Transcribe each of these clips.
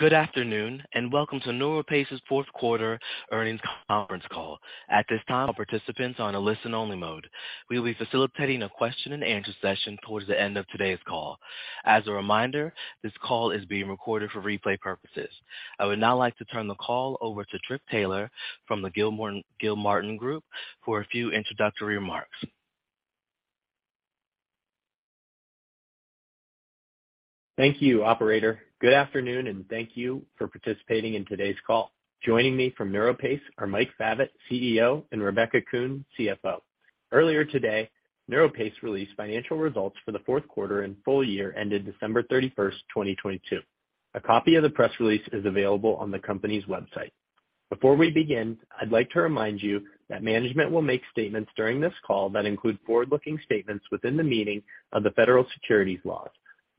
Good afternoon, welcome to NeuroPace's fourth quarter earnings conference call. At this time, all participants are on a listen-only mode. We'll be facilitating a question-and-answer session towards the end of today's call. As a reminder, this call is being recorded for replay purposes. I would now like to turn the call over to Trip Taylor from the Gilmartin Group for a few introductory remarks. Thank you, operator. Good afternoon, and thank you for participating in today's call. Joining me from NeuroPace are Mike Favet, CEO, and Rebecca Kuhn, CFO. Earlier today, NeuroPace released financial results for the fourth quarter and full year ended December 31st, 2022. A copy of the press release is available on the company's website. Before we begin, I'd like to remind you that management will make statements during this call that include forward-looking statements within the meaning of the federal securities laws,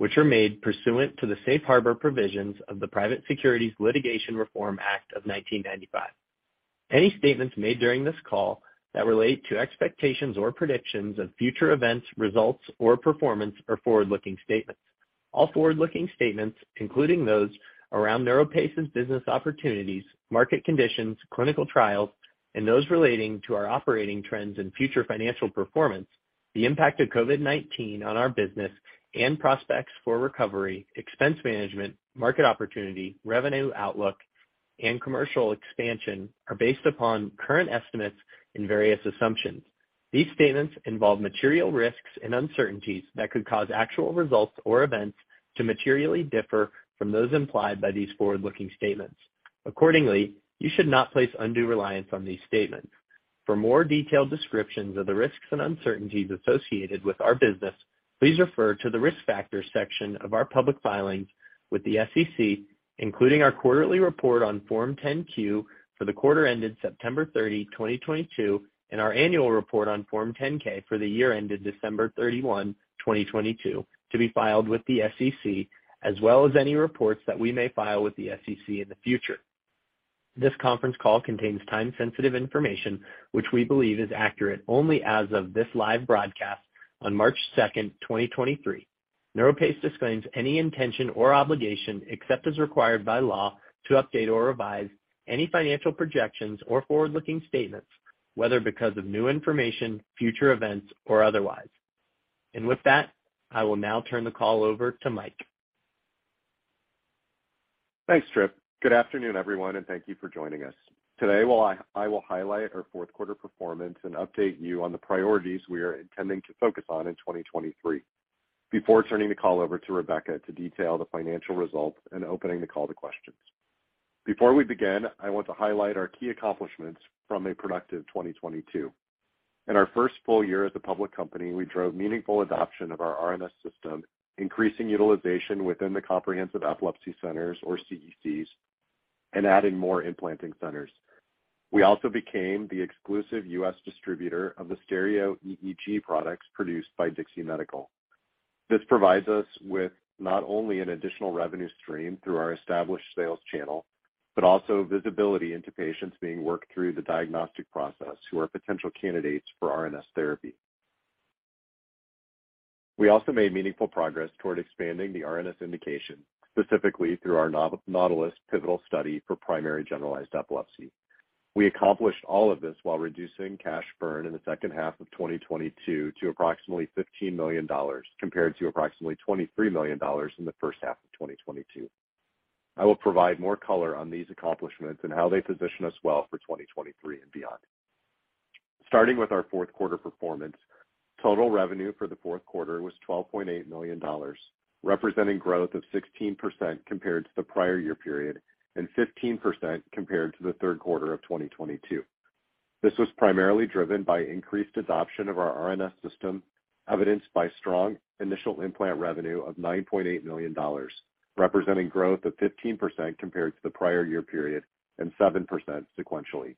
which are made pursuant to the safe harbor provisions of the Private Securities Litigation Reform Act of 1995. Any statements made during this call that relate to expectations or predictions of future events, results, or performance are forward-looking statements. All forward-looking statements, including those around NeuroPace's business opportunities, market conditions, clinical trials, and those relating to our operating trends and future financial performance, the impact of COVID-19 on our business and prospects for recovery, expense management, market opportunity, revenue outlook, and commercial expansion are based upon current estimates and various assumptions. These statements involve material risks and uncertainties that could cause actual results or events to materially differ from those implied by these forward-looking statements. Accordingly, you should not place undue reliance on these statements. For more detailed descriptions of the risks and uncertainties associated with our business, please refer to the Risk Factors section of our public filings with the SEC, including our quarterly report on Form 10-Q for the quarter ended September 30, 2022, and our annual report on Form 10-K for the year ended December 31, 2022, to be filed with the SEC, as well as any reports that we may file with the SEC in the future. This conference call contains time-sensitive information, which we believe is accurate only as of this live broadcast on March 2, 2023. NeuroPace disclaims any intention or obligation, except as required by law, to update or revise any financial projections or forward-looking statements, whether because of new information, future events, or otherwise. With that, I will now turn the call over to Mike. Thanks, Trip. Good afternoon, everyone, and thank you for joining us. Today, well, I will highlight our fourth quarter performance and update you on the priorities we are intending to focus on in 2023 before turning the call over to Rebecca to detail the financial results and opening the call to questions. Before we begin, I want to highlight our key accomplishments from a productive 2022. In our first full year as a public company, we drove meaningful adoption of our RNS System, increasing utilization within the Comprehensive Epilepsy Centers, or CECs, and adding more implanting centers. We also became the exclusive U.S. distributor of the stereo EEG products produced by DIXI Medical. This provides us with not only an additional revenue stream through our established sales channel, but also visibility into patients being worked through the diagnostic process who are potential candidates for RNS therapy. We also made meaningful progress toward expanding the RNS indication, specifically through our NAUTILUS pivotal study for primary generalized epilepsy. We accomplished all of this while reducing cash burn in the second half of 2022 to approximately $15 million compared to approximately $23 million in the first half of 2022. I will provide more color on these accomplishments and how they position us well for 2023 and beyond. Starting with our fourth quarter performance, total revenue for the fourth quarter was $12.8 million, representing growth of 16% compared to the prior year period, 15% compared to the third quarter of 2022. This was primarily driven by increased adoption of our RNS System, evidenced by strong initial implant revenue of $9.8 million, representing growth of 15% compared to the prior year period, and 7% sequentially.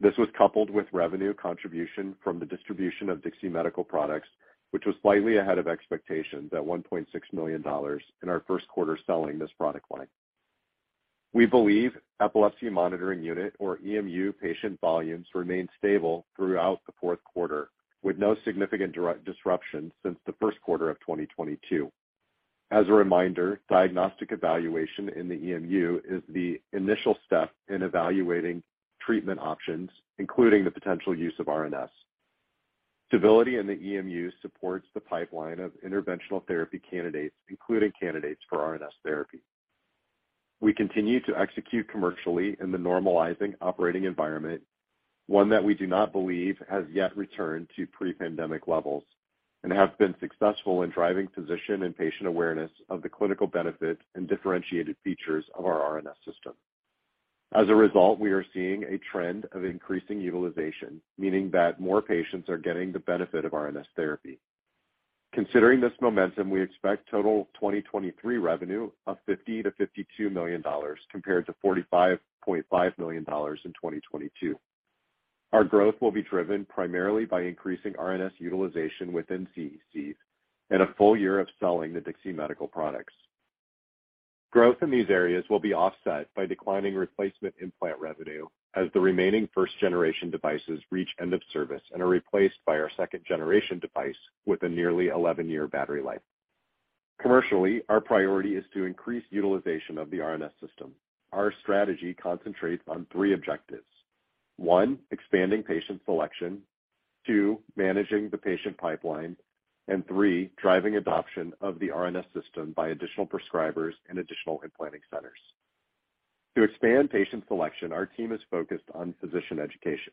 This was coupled with revenue contribution from the distribution of DIXI Medical products, which was slightly ahead of expectations at $1.6 million in our first quarter selling this product line. We believe epilepsy monitoring unit, or EMU, patient volumes remained stable throughout the fourth quarter, with no significant disruptions since the first quarter of 2022. As a reminder, diagnostic evaluation in the EMU is the initial step in evaluating treatment options, including the potential use of RNS. Stability in the EMU supports the pipeline of interventional therapy candidates, including candidates for RNS therapy. We continue to execute commercially in the normalizing operating environment, one that we do not believe has yet returned to pre-pandemic levels, and have been successful in driving physician and patient awareness of the clinical benefit and differentiated features of our RNS System. As a result, we are seeing a trend of increasing utilization, meaning that more patients are getting the benefit of RNS therapy. Considering this momentum, we expect total 2023 revenue of $50 million-$52 million compared to $45.5 million in 2022. Our growth will be driven primarily by increasing RNS utilization within CECs and a full year of selling the DIXI Medical products. Growth in these areas will be offset by declining replacement implant revenue as the remaining first-generation devices reach end of service and are replaced by our second-generation device with a nearly 11-year battery life. Commercially, our priority is to increase utilization of the RNS System. Our strategy concentrates on three objectives. One, expanding patient selection, two, managing the patient pipeline, and three, driving adoption of the RNS System by additional prescribers and additional implanting centers. To expand patient selection, our team is focused on physician education.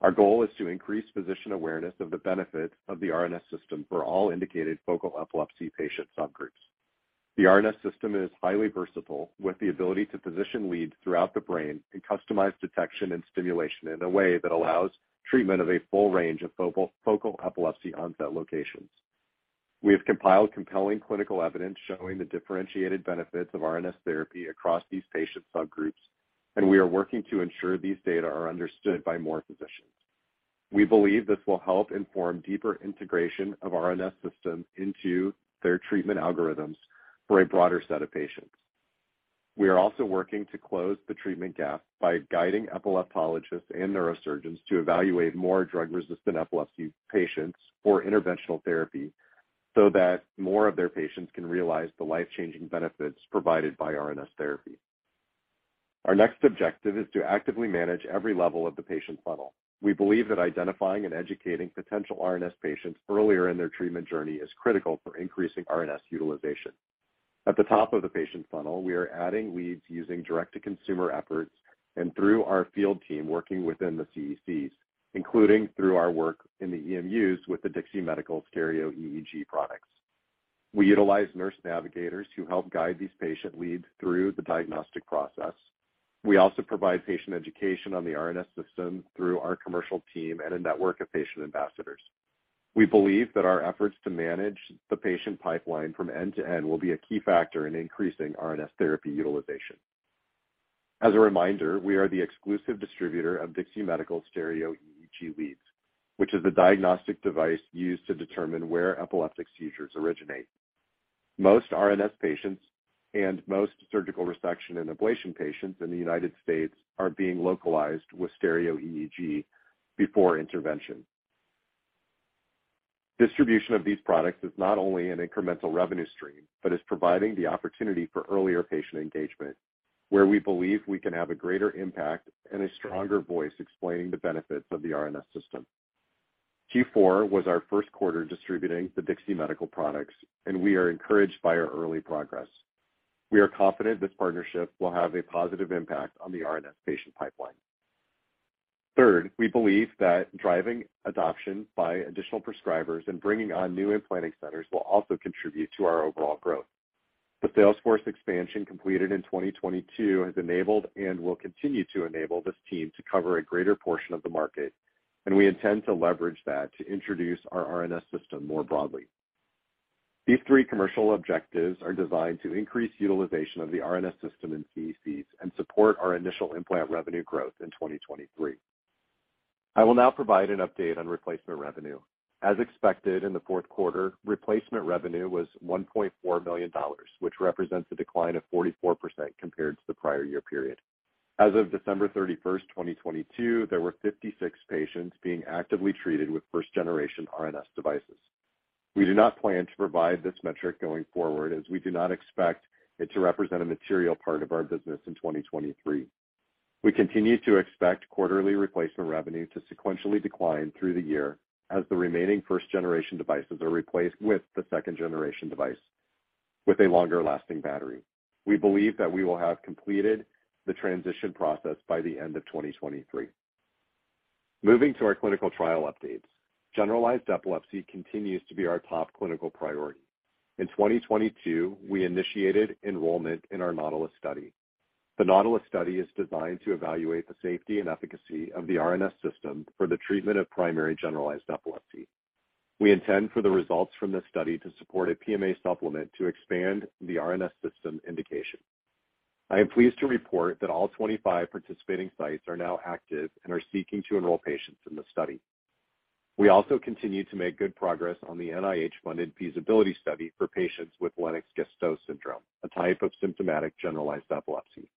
Our goal is to increase physician awareness of the benefits of the RNS System for all indicated focal epilepsy patient subgroups. The RNS System is highly versatile, with the ability to position leads throughout the brain and customize detection and stimulation in a way that allows treatment of a full range of focal epilepsy onset locations. We have compiled compelling clinical evidence showing the differentiated benefits of RNS therapy across these patient subgroups, and we are working to ensure these data are understood by more physicians. We believe this will help inform deeper integration of RNS System into their treatment algorithms for a broader set of patients. We are also working to close the treatment gap by guiding epileptologists and neurosurgeons to evaluate more drug-resistant epilepsy patients for interventional therapy so that more of their patients can realize the life-changing benefits provided by RNS therapy. Our next objective is to actively manage every level of the patient funnel. We believe that identifying and educating potential RNS patients earlier in their treatment journey is critical for increasing RNS utilization. At the top of the patient funnel, we are adding leads using direct-to-consumer efforts and through our field team working within the CECs, including through our work in the EMUs with the DIXI Medical stereo EEG products. We utilize nurse navigators who help guide these patient leads through the diagnostic process. We also provide patient education on the RNS System through our commercial team and a network of patient ambassadors. We believe that our efforts to manage the patient pipeline from end to end will be a key factor in increasing RNS Therapy utilization. As a reminder, we are the exclusive distributor of DIXI Medical stereo EEG leads, which is the diagnostic device used to determine where epileptic seizures originate. Most RNS patients and most surgical resection and ablation patients in the U.S. Are being localized with stereo EEG before intervention. Distribution of these products is not only an incremental revenue stream, but is providing the opportunity for earlier patient engagement, where we believe we can have a greater impact and a stronger voice explaining the benefits of the RNS System. Q4 was our first quarter distributing the DIXI Medical products, and we are encouraged by our early progress. We are confident this partnership will have a positive impact on the RNS patient pipeline. Third, we believe that driving adoption by additional prescribers and bringing on new implanting centers will also contribute to our overall growth. The salesforce expansion completed in 2022 has enabled and will continue to enable this team to cover a greater portion of the market, and we intend to leverage that to introduce our RNS System more broadly. These three commercial objectives are designed to increase utilization of the RNS System in CECs and support our initial implant revenue growth in 2023. I will now provide an update on replacement revenue. As expected, in the fourth quarter, replacement revenue was $1.4 million, which represents a decline of 44% compared to the prior year period. As of December 31, 2022, there were 56 patients being actively treated with first generation RNS devices. We do not plan to provide this metric going forward, as we do not expect it to represent a material part of our business in 2023. We continue to expect quarterly replacement revenue to sequentially decline through the year as the remaining first generation devices are replaced with the second generation device with a longer-lasting battery. We believe that we will have completed the transition process by the end of 2023. Moving to our clinical trial updates. generalized epilepsy continues to be our top clinical priority. In 2022, we initiated enrollment in our NAUTILUS study. The NAUTILUS study is designed to evaluate the safety and efficacy of the RNS System for the treatment of primary generalized epilepsy. We intend for the results from this study to support a PMA supplement to expand the RNS System indication. I am pleased to report that all 25 participating sites are now active and are seeking to enroll patients in the study. We also continue to make good progress on the NIH-funded feasibility study for patients with Lennox-Gastaut Syndrome, a type of symptomatic generalized epilepsy.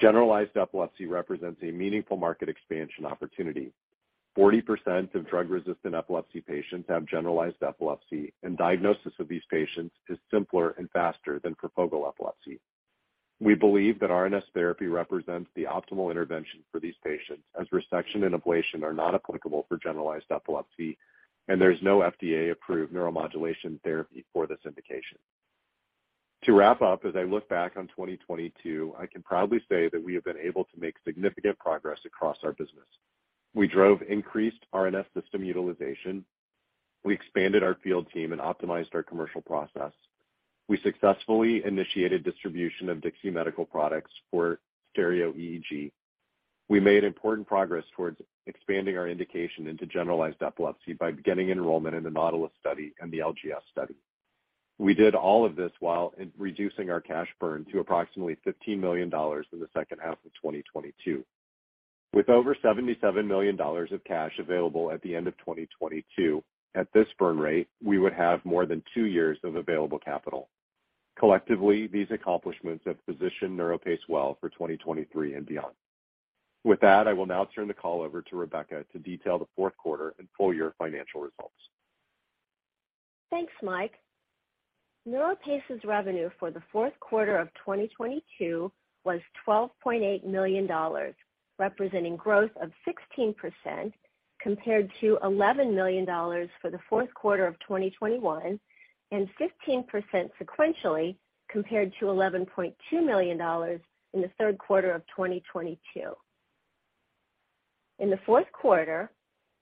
generalized epilepsy represents a meaningful market expansion opportunity. 40% of drug-resistant epilepsy patients have generalized epilepsy. Diagnosis of these patients is simpler and faster than for focal epilepsy. We believe that RNS Therapy represents the optimal intervention for these patients, as resection and ablation are not applicable for generalized epilepsy. There's no FDA-approved neuromodulation therapy for this indication. To wrap up, as I look back on 2022, I can proudly say that we have been able to make significant progress across our business. We drove increased RNS System utilization. We expanded our field team. Optimized our commercial process. We successfully initiated distribution of DIXI Medical products for stereo EEG. We made important progress towards expanding our indication into generalized epilepsy by getting enrollment in the NAUTILUS study and the LGS study. We did all of this while reducing our cash burn to approximately $15 million in the second half of 2022. With over $77 million of cash available at the end of 2022, at this burn rate, we would have more than two years of available capital. Collectively, these accomplishments have positioned NeuroPace well for 2023 and beyond. With that, I will now turn the call over to Rebecca to detail the fourth quarter and full year financial results. Thanks, Mike. NeuroPace's revenue for the fourth quarter of 2022 was $12.8 million, representing growth of 16% compared to $11 million for the fourth quarter of 2021, and 15% sequentially compared to $11.2 million in the third quarter of 2022. In the fourth quarter,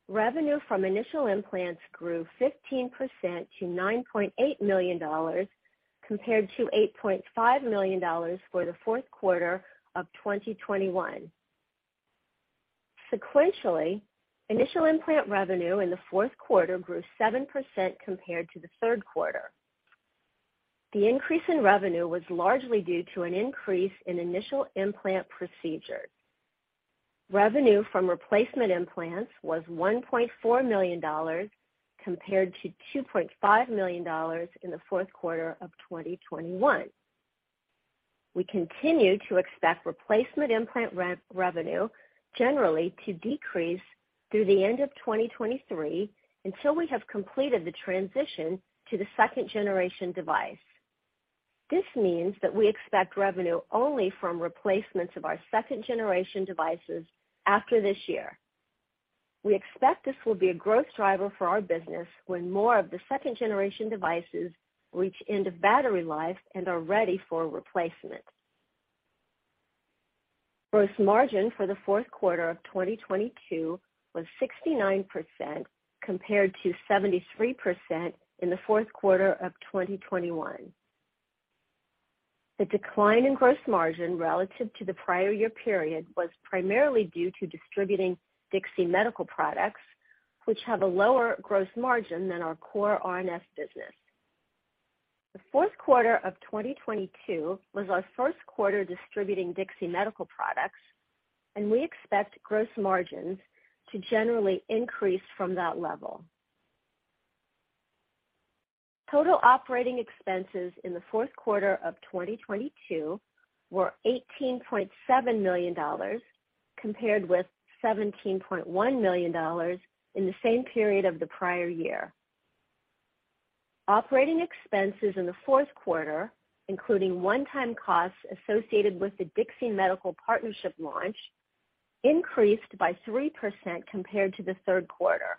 revenue from initial implants grew 15% to $9.8 million compared to $8.5 million for the fourth quarter of 2021. Sequentially, initial implant revenue in the fourth quarter grew 7% compared to the third quarter. The increase in revenue was largely due to an increase in initial implant procedures. Revenue from replacement implants was $1.4 million compared to $2.5 million in the fourth quarter of 2021. We continue to expect replacement implant re-revenue generally to decrease through the end of 2023 until we have completed the transition to the second generation device. This means that we expect revenue only from replacements of our second generation devices after this year. We expect this will be a growth driver for our business when more of the second generation devices reach end of battery life and are ready for replacement. Gross margin for the fourth quarter of 2022 was 69% compared to 73% in the fourth quarter of 2021. The decline in gross margin relative to the prior year period was primarily due to distributing DIXI Medical products, which have a lower gross margin than our core RNS business. The fourth quarter of 2022 was our first quarter distributing DIXI Medical products, and we expect gross margins to generally increase from that level. Total operating expenses in the fourth quarter of 2022 were $18.7 million compared with $17.1 million in the same period of the prior year. Operating expenses in the fourth quarter, including one-time costs associated with the DIXI Medical Partnership launch, increased by 3% compared to the third quarter.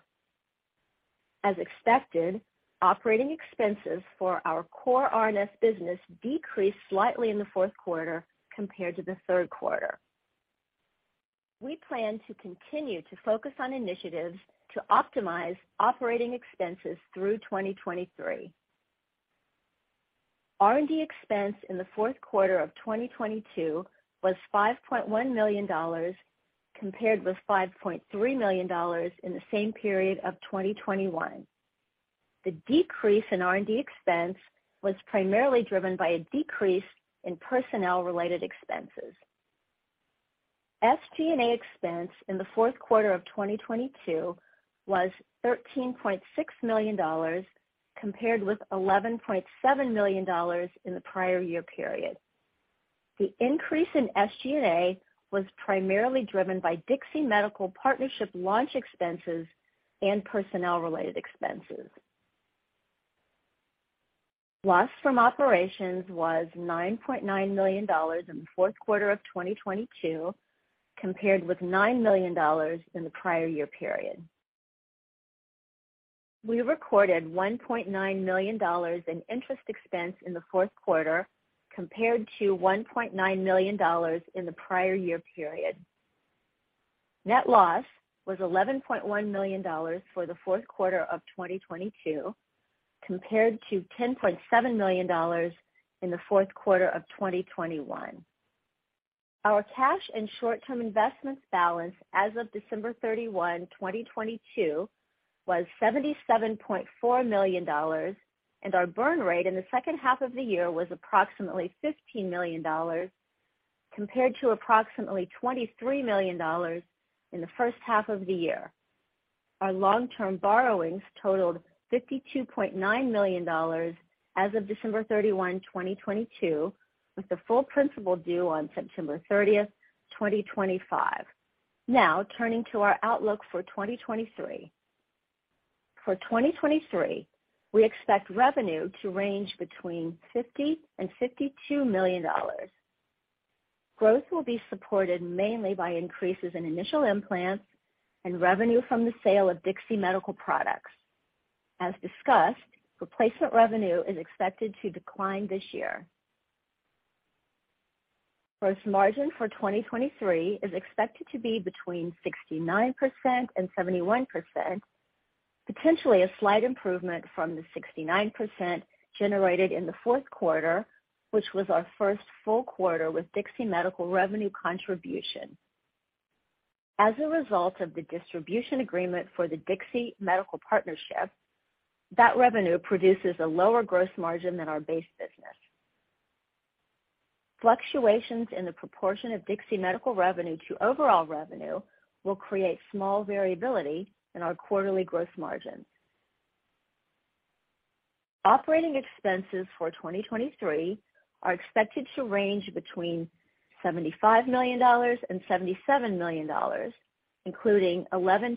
As expected, operating expenses for our core RNS business decreased slightly in the fourth quarter compared to the third quarter. We plan to continue to focus on initiatives to optimize operating expenses through 2023. R&D expense in the fourth quarter of 2022 was $5.1 million compared with $5.3 million in the same period of 2021. The decrease in R&D expense was primarily driven by a decrease in personnel-related expenses. SG&A expense in the fourth quarter of 2022 was $13.6 million compared with $11.7 million in the prior year period. The increase in SG&A was primarily driven by DIXI Medical Partnership launch expenses and personnel-related expenses. Loss from operations was $9.9 million in the fourth quarter of 2022 compared with $9 million in the prior year period. We recorded $1.9 million in interest expense in the fourth quarter compared to $1.9 million in the prior year period. Net loss was $11.1 million for the fourth quarter of 2022 compared to $10.7 million in the fourth quarter of 2021. Our cash and short-term investments balance as of December 31, 2022, was $77.4 million, and our burn rate in the second half of the year was approximately $15 million compared to approximately $23 million in the first half of the year. Our long-term borrowings totaled $52.9 million as of December 31, 2022, with the full principal due on September 30, 2025. Turning to our outlook for 2023. For 2023, we expect revenue to range between $50 million-$52 million. Growth will be supported mainly by increases in initial implants and revenue from the sale of DIXI Medical products. As discussed, replacement revenue is expected to decline this year. Gross margin for 2023 is expected to be between 69%-71%, potentially a slight improvement from the 69% generated in the fourth quarter, which was our first full quarter with DIXI Medical revenue contribution. As a result of the distribution agreement for the DIXI Medical Partnership, that revenue produces a lower gross margin than our base business. Fluctuations in the proportion of DIXI Medical revenue to overall revenue will create small variability in our quarterly gross margins. Operating expenses for 2023 are expected to range between $75 million-$77 million, including $11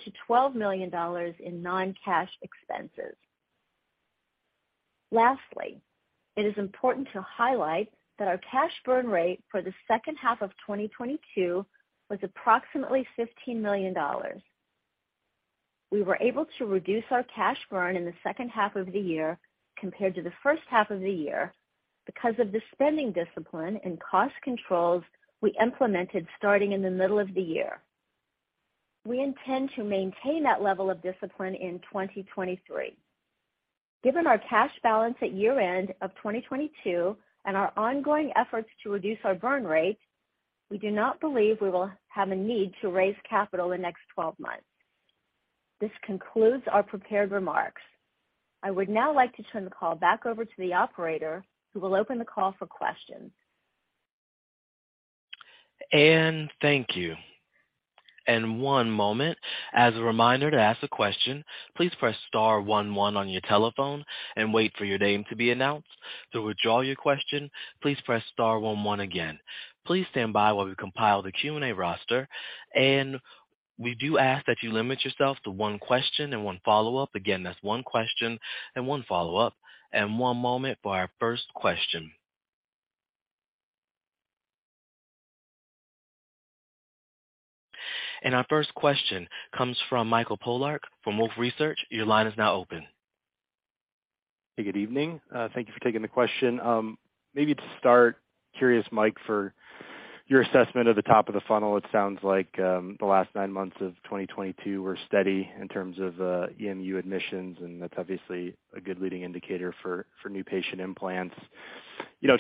million-$12 million in non-cash expenses. Lastly, it is important to highlight that our cash burn rate for the second half of 2022 was approximately $15 million. We were able to reduce our cash burn in the second half of the year compared to the first half of the year because of the spending discipline and cost controls we implemented starting in the middle of the year. We intend to maintain that level of discipline in 2023. Given our cash balance at year-end of 2022 and our ongoing efforts to reduce our burn rate, we do not believe we will have a need to raise capital in the next 12 months. This concludes our prepared remarks. I would now like to turn the call back over to the operator, who will open the call for questions. Anne, thank you. One moment. As a reminder, to ask a question, please press star one one on your telephone and wait for your name to be announced. To withdraw your question, please press star one one again. Please stand by while we compile the Q&A roster. Anne, we do ask that you limit yourself to one question and one follow-up. Again, that's one question and one follow-up. One moment for our first question. Our first question comes from Michael Polark from Wolfe Research. Your line is now open. Hey, good evening. Thank you for taking the question. Maybe to start, curious, Mike, for your assessment of the top of the funnel. It sounds like the last nine months of 2022 were steady in terms of EMU admissions, and that's obviously a good leading indicator for new patient implants. You know,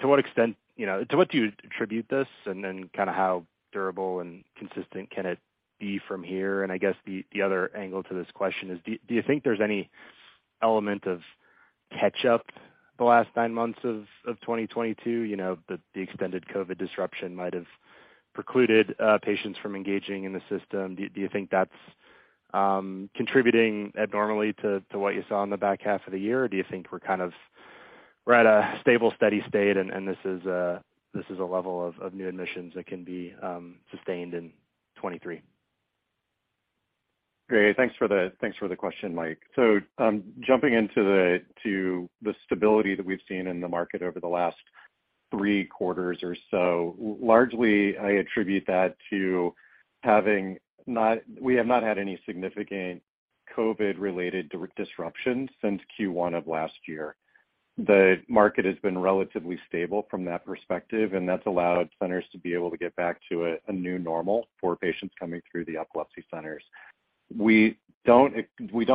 to what extent, you know, to what do you attribute this? Kind of how durable and consistent can it be from here? I guess the other angle to this question is do you think there's any element of catch-up the last nine months of 2022? You know, the extended COVID disruption might have precluded patients from engaging in the system. Do you think that's contributing abnormally to what you saw in the back half of the year? Do you think we're kind of at a stable, steady state and this is a level of new admissions that can be sustained in 23? Great. Thanks for the thanks for the question, Mike. Jumping into the stability that we've seen in the market over the last three quarters or so, largely, I attribute that to having not we have not had any significant COVID-related disruption since Q1 of last year. The market has been relatively stable from that perspective, and that's allowed centers to be able to get back to a new normal for patients coming through the epilepsy centers. We don't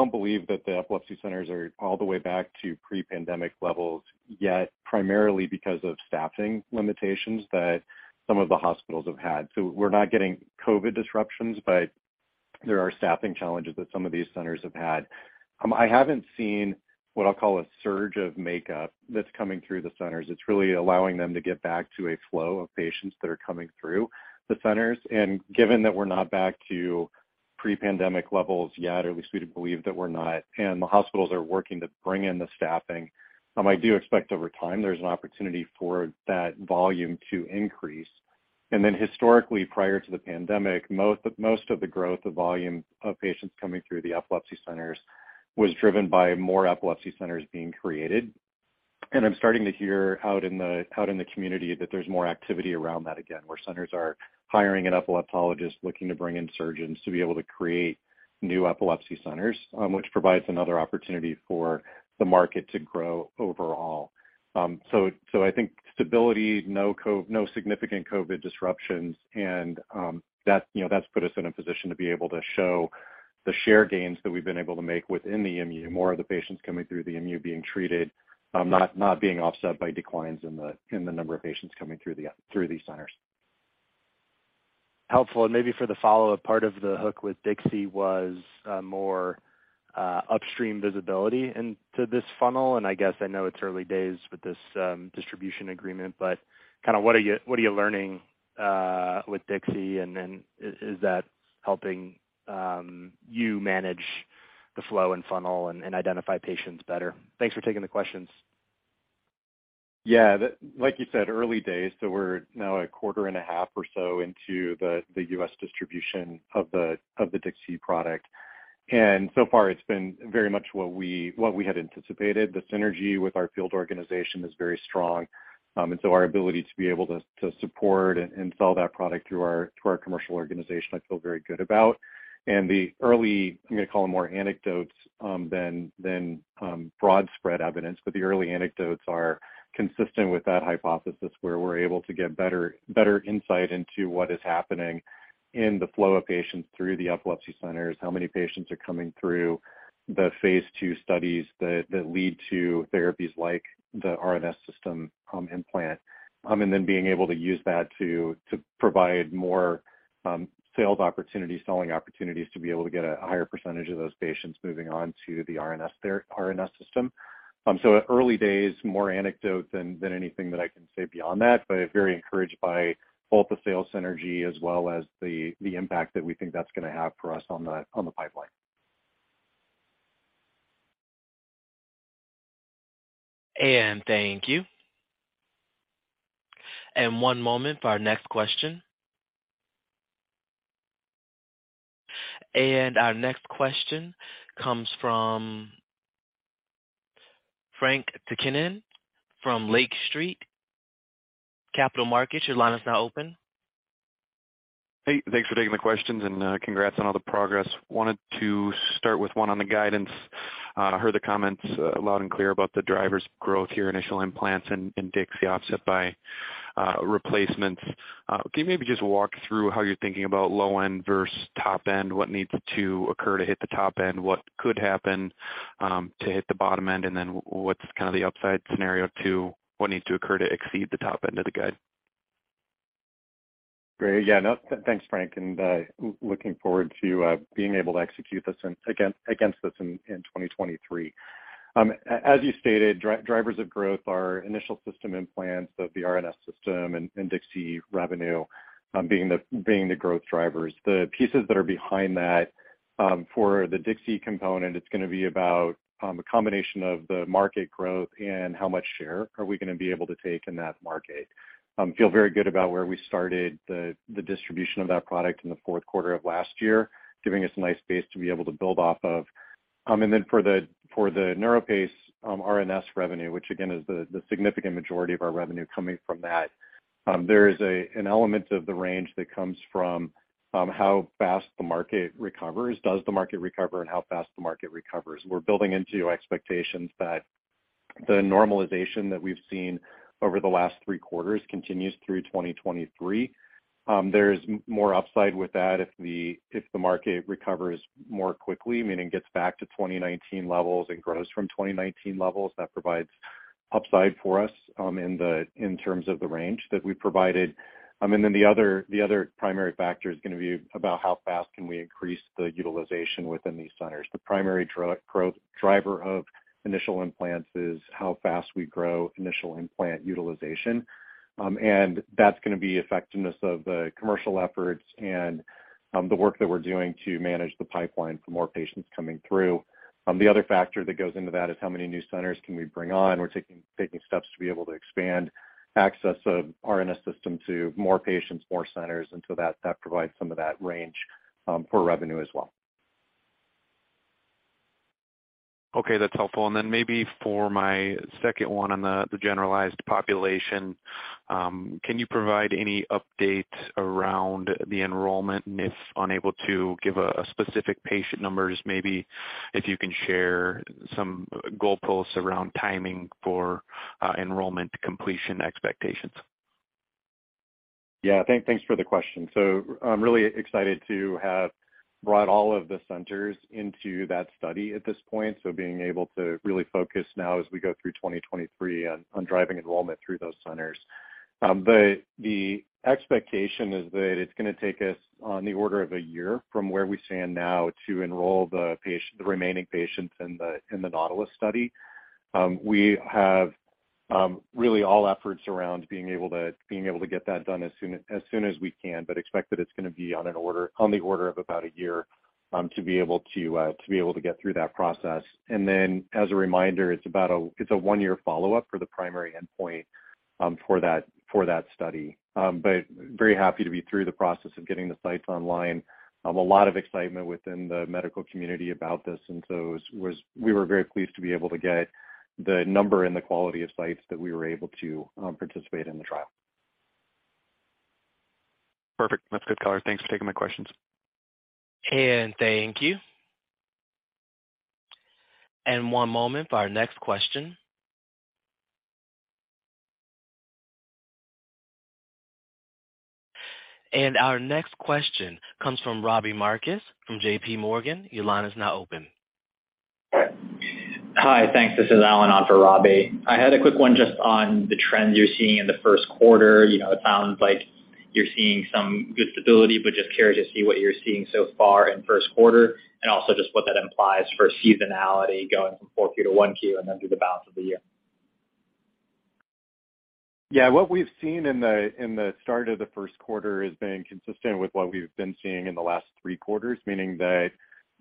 believe that the epilepsy centers are all the way back to pre-pandemic levels yet, primarily because of staffing limitations that some of the hospitals have had. We're not getting COVID disruptions, but there are staffing challenges that some of these centers have had. I haven't seen what I'll call a surge of makeup that's coming through the centers. It's really allowing them to get back to a flow of patients that are coming through the centers. Given that we're not back to pre-pandemic levels yet, or at least we believe that we're not, and the hospitals are working to bring in the staffing, I do expect over time there's an opportunity for that volume to increase. Historically, prior to the pandemic, most of the growth of volume of patients coming through the epilepsy centers was driven by more epilepsy centers being created. I'm starting to hear out in the community that there's more activity around that again, where centers are hiring an epileptologist, looking to bring in surgeons to be able to create new epilepsy centers, which provides another opportunity for the market to grow overall. I think stability, no significant COVID disruptions, and that's, you know, that's put us in a position to be able to show the share gains that we've been able to make within the EMU, more of the patients coming through the EMU being treated, not being offset by declines in the number of patients coming through these centers. Helpful. Maybe for the follow-up, part of the hook with DIXI Medical was more upstream visibility into this funnel. I guess I know it's early days with this distribution agreement, but kinda what are you, what are you learning with DIXI Medical? Is that helping you manage the flow and funnel and identify patients better? Thanks for taking the questions. Yeah. Like you said, early days, we're now a quarter and a half or so into the U.S. distribution of the DIXI product. So far, it's been very much what we had anticipated. The synergy with our field organization is very strong. Our ability to be able to support and sell that product through our commercial organization, I feel very good about. The early, I'm gonna call them more anecdotes, than broad spread evidence, but the early anecdotes are consistent with that hypothesis, where we're able to get better insight into what is happening in the flow of patients through the epilepsy centers, how many patients are coming through the phase II studies that lead to therapies like the RNS System, implant, and then being able to use that to provide more sales opportunities, selling opportunities to be able to get a higher percentage of those patients moving on to the RNS System. Early days, more anecdote than anything that I can say beyond that, but very encouraged by both the sales synergy as well as the impact that we think that's gonna have for us on the pipeline. Thank you. One moment for our next question. Our next question comes from Frank Takkinen from Lake Street Capital Markets. Your line is now open. Hey, thanks for taking the questions, and congrats on all the progress. Wanted to start with one on the guidance. I heard the comments loud and clear about the drivers growth here, initial implants and in DIXI offset by replacements. Can you maybe just walk through how you're thinking about low end versus top end? What needs to occur to hit the top end? What could happen to hit the bottom end? What's kind of the upside scenario to what needs to occur to exceed the top end of the guide? Great. Yeah, no, thanks, Frank, and looking forward to being able to execute this against this in 2023. As you stated, drivers of growth are initial System implants of the RNS System and DIXI revenue, being the growth drivers. The pieces that are behind that, for the DIXI component, it's gonna be about a combination of the market growth and how much share are we gonna be able to take in that market. Feel very good about where we started the distribution of that product in the fourth quarter of last year, giving us a nice base to be able to build off of. For the NeuroPace RNS revenue, which again is the significant majority of our revenue coming from that, there is an element of the range that comes from how fast the market recovers. Does the market recover, and how fast the market recovers? We're building into expectations that the normalization that we've seen over the last three quarters continues through 2023. There's more upside with that if the market recovers more quickly, meaning gets back to 2019 levels and grows from 2019 levels. That provides upside for us, in terms of the range that we provided. The other primary factor is gonna be about how fast can we increase the utilization within these centers. The primary driver of initial implants is how fast we grow initial implant utilization. That's gonna be effectiveness of the commercial efforts and the work that we're doing to manage the pipeline for more patients coming through. The other factor that goes into that is how many new centers can we bring on. We're taking steps to be able to expand access of RNS System to more patients, more centers, that provides some of that range for revenue as well. Okay, that's helpful. Then maybe for my second one on the generalized population, can you provide any update around the enrollment? If unable to give a specific patient numbers, maybe if you can share some goalposts around timing for enrollment completion expectations? Thanks for the question. I'm really excited to have brought all of the centers into that study at this point. Being able to really focus now as we go through 2023 on driving enrollment through those centers. The expectation is that it's gonna take us on the order of a year from where we stand now to enroll the remaining patients in the NAUTILUS study. We have really all efforts around being able to get that done as soon as we can, but expect that it's gonna be on the order of about a year, to be able to get through that process. As a reminder, it's about a one-year follow-up for the primary endpoint for that study. Very happy to be through the process of getting the sites online. A lot of excitement within the medical community about this, we were very pleased to be able to get the number and the quality of sites that we were able to participate in the trial. Perfect. That's good color. Thanks for taking my questions. Thank you. One moment for our next question. Our next question comes from Robbie Marcus from JPMorgan. Your line is now open. Hi. Thanks. This is Allen on for Robbie. I had a quick one just on the trends you're seeing in the first quarter. You know, it sounds like you're seeing some good stability, but just curious to see what you're seeing so far in first quarter and also just what that implies for seasonality going from 4Q to 1Q and then through the balance of the year. What we've seen in the, in the start of the first quarter has been consistent with what we've been seeing in the last three quarters, meaning that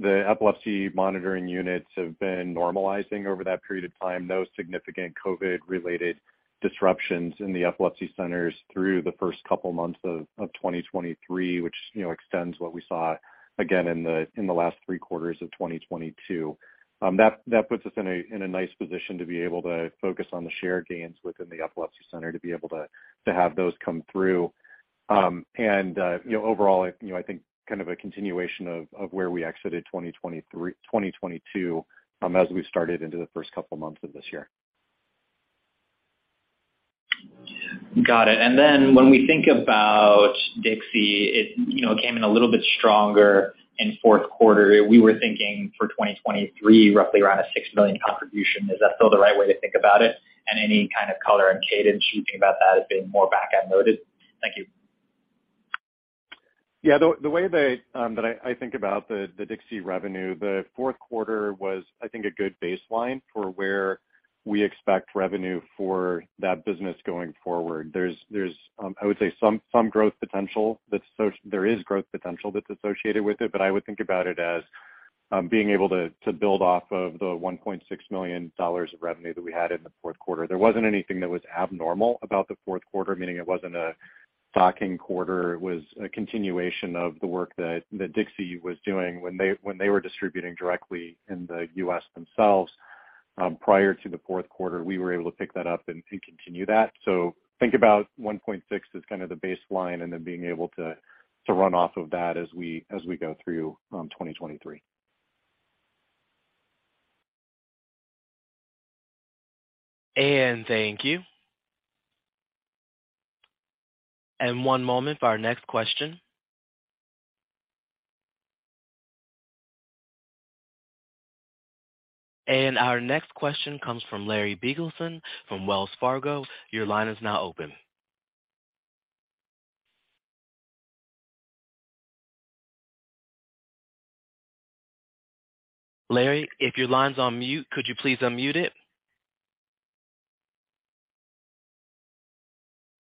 the epilepsy monitoring units have been normalizing over that period of time. No significant COVID-related disruptions in the epilepsy centers through the first couple months of 2023, which, you know, extends what we saw again in the, in the last three quarters of 2022. That puts us in a, in a nice position to be able to focus on the share gains within the epilepsy center to be able to have those come through. Overall, you know, I think kind of a continuation of where we exited 2022, as we started into the first couple months of this year. Got it. When we think about Dixie, it, you know, came in a little bit stronger in fourth quarter. We were thinking for 2023 roughly around a $6 million contribution. Is that still the right way to think about it? Any kind of color and cadence you think about that as being more back-end loaded? Thank you. Yeah, the way they, that I think about the DIXI Medical revenue, the fourth quarter was, I think, a good baseline for where we expect revenue for that business going forward. There's, I would say some growth potential that's associated with it, but I would think about it as being able to build off of the $1.6 million of revenue that we had in the fourth quarter. There wasn't anything that was abnormal about the fourth quarter, meaning it wasn't a stocking quarter. It was a continuation of the work that DIXI Medical was doing when they were distributing directly in the U.S. themselves, prior to the fourth quarter. We were able to pick that up and continue that. Think about 1.6 as kind of the baseline and then being able to run off of that as we go through, 2023. Thank you. One moment for our next question. Our next question comes from Larry Biegelsen from Wells Fargo. Your line is now open. Larry, if your line's on mute, could you please unmute it?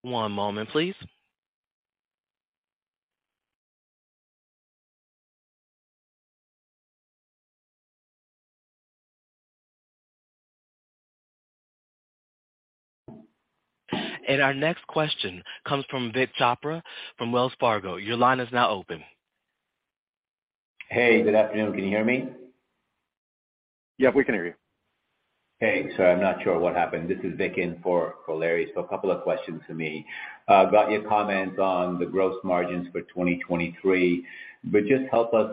One moment, please. Our next question comes from Vik Chopra from Wells Fargo. Your line is now open. Hey, good afternoon. Can you hear me? Yeah, we can hear you. Hey, sorry, I'm not sure what happened. This is Vik in for Larry. A couple of questions for me. About your comments on the gross margins for 2023. Just help us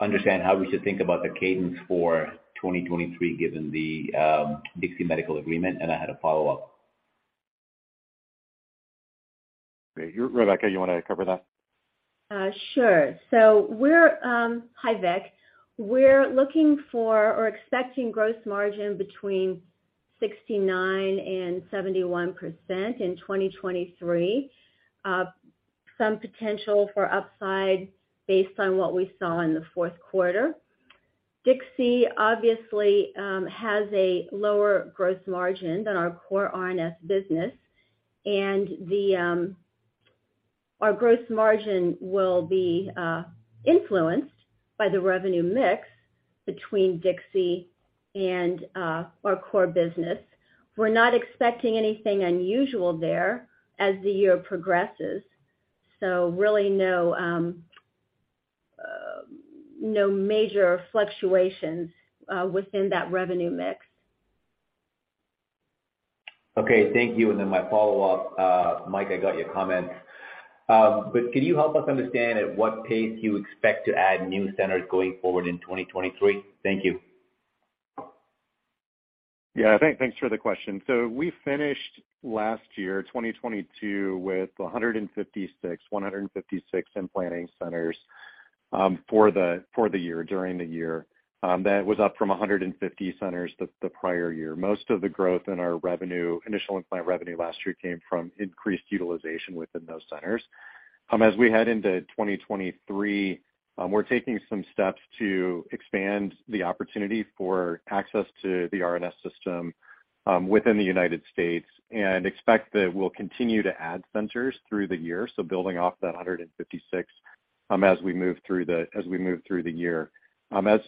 understand how we should think about the cadence for 2023, given the DIXI Medical agreement, and I had a follow-up. Rebecca, you wanna cover that? Sure. Hi, Vik. We're looking for or expecting gross margin between 69% and 71% in 2023. Some potential for upside based on what we saw in the fourth quarter. Dixie obviously, has a lower gross margin than our core RNS business, and the our gross margin will be influenced by the revenue mix between Dixie and our core business. We're not expecting anything unusual there as the year progresses, really no major fluctuations within that revenue mix. Okay. Thank you. My follow-up, Mike, I got your comments. Can you help us understand at what pace you expect to add new centers going forward in 2023? Thank you. Thanks for the question. We finished last year, 2022, with 156 implanting centers for the year, during the year. That was up from 150 centers the prior year. Most of the growth in our revenue, initial implant revenue last year came from increased utilization within those centers. As we head into 2023, we're taking some steps to expand the opportunity for access to the RNS System within the U.S. and expect that we'll continue to add centers through the year, so building off that 156 as we move through the year.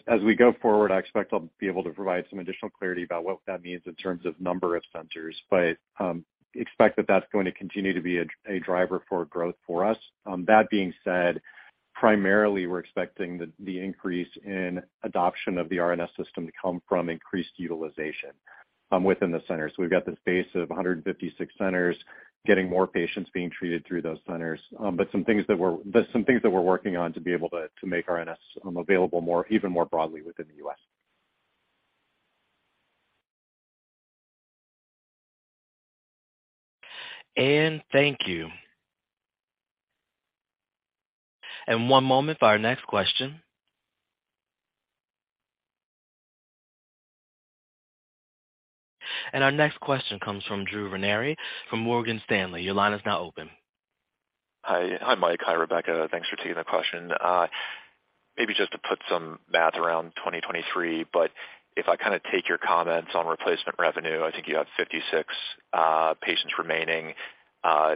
As we go forward, I expect I'll be able to provide some additional clarity about what that means in terms of number of centers, but expect that that's going to continue to be a driver for growth for us. That being said, primarily we're expecting the increase in adoption of the RNS System to come from increased utilization within the center. We've got this base of 156 centers getting more patients being treated through those centers. Some things that we're working on to be able to make RNS available more, even more broadly within the U.S. Thank you. One moment for our next question. Our next question comes from Drew Ranieri from Morgan Stanley. Your line is now open. Hi. Hi, Mike. Hi, Rebecca. Thanks for taking the question. Maybe just to put some math around 2023. If I kinda take your comments on replacement revenue, I think you have 56 patients remaining,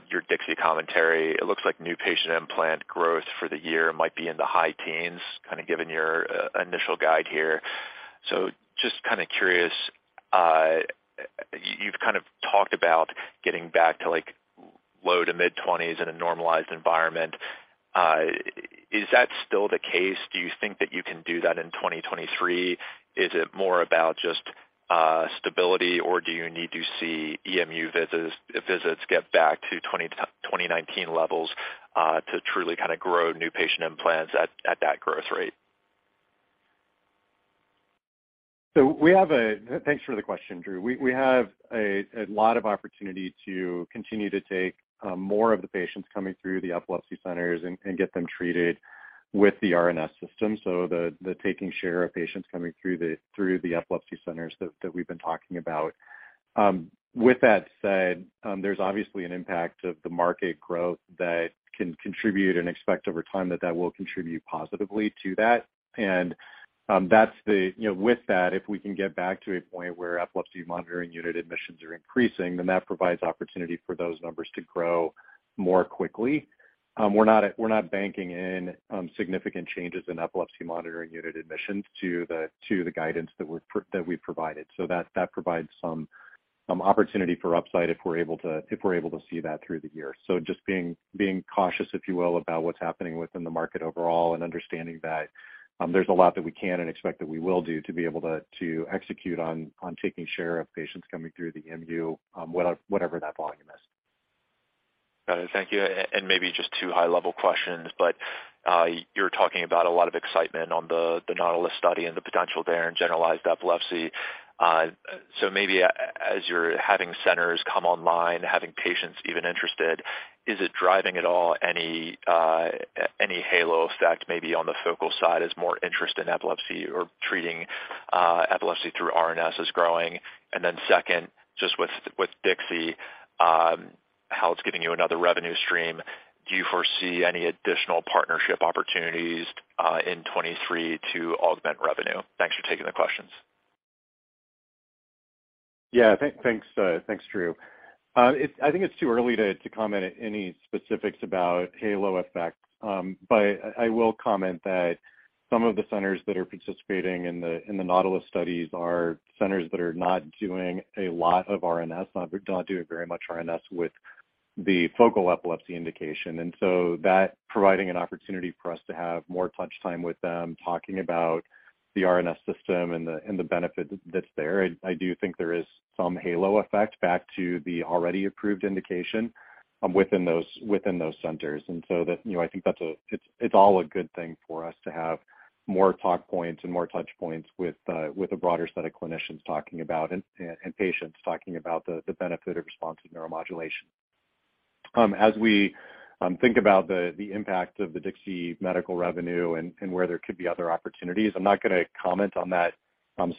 your DIXI Medical commentary. It looks like new patient implant growth for the year might be in the high teens, kinda given your initial guide here. Just kinda curious, you've kind of talked about getting back to, like, low to mid-20s in a normalized environment. Is that still the case? Do you think that you can do that in 2023? Is it more about just stability, or do you need to see EMU visits get back to 2019 levels to truly kinda grow new patient implants at that growth rate? Thanks for the question, Drew. We have a lot of opportunity to continue to take more of the patients coming through the epilepsy centers and get them treated with the RNS System. The taking share of patients coming through the epilepsy centers that we've been talking about. With that said, there's obviously an impact of the market growth that can contribute and expect over time that will contribute positively to that. You know, with that, if we can get back to a point where epilepsy monitoring unit admissions are increasing, then that provides opportunity for those numbers to grow more quickly. We're not banking in significant changes in epilepsy monitoring unit admissions to the guidance that we've provided. That provides some opportunity for upside if we're able to see that through the year. Just being cautious, if you will, about what's happening within the market overall and understanding that there's a lot that we can and expect that we will do to be able to execute on taking share of patients coming through the EMU, whatever that volume is. Got it. Thank you. Maybe just two high-level questions, but you're talking about a lot of excitement on the NAUTILUS study and the potential there in generalized epilepsy. As you're having centers come online, having patients even interested, is it driving at all any halo effect maybe on the focal side as more interest in epilepsy or treating epilepsy through RNS is growing? Second, just with with DIXI, how it's giving you another revenue stream, do you foresee any additional partnership opportunities in 2023 to augment revenue? Thanks for taking the questions. Yeah. Thanks, Drew. I think it's too early to comment any specifics about halo effect. I will comment that some of the centers that are participating in the NAUTILUS studies are centers that are not doing a lot of RNS, not doing very much RNS with the focal epilepsy indication. That providing an opportunity for us to have more touch time with them, talking about the RNS System and the benefit that's there. I do think there is some halo effect back to the already approved indication within those centers. That. You know, I think that's all a good thing for us to have more talk points and more touch points with a broader set of clinicians talking about and patients talking about the benefit of responsive neuromodulation. As we think about the impact of the DIXI Medical revenue and where there could be other opportunities, I'm not gonna comment on that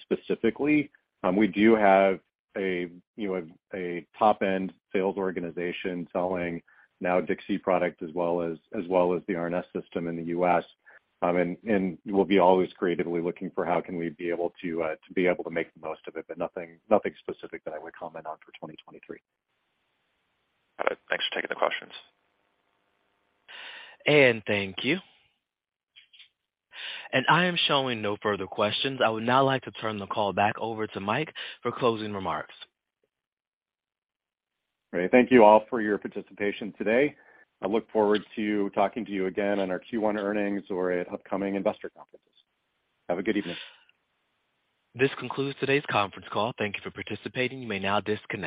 specifically. We do have a, you know, a top-end sales organization selling now DIXI product as well as the RNS System in the U.S. We'll be always creatively looking for how can we be able to make the most of it, but nothing specific that I would comment on for 2023. Got it. Thanks for taking the questions. Thank you. I am showing no further questions. I would now like to turn the call back over to Mike for closing remarks. Great. Thank you all for your participation today. I look forward to talking to you again on our Q1 earnings or at upcoming investor conferences. Have a good evening. This concludes today's conference call. Thank you for participating. You may now disconnect.